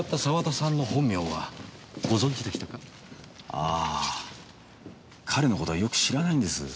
ああ彼の事はよく知らないんです。